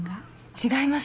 違います！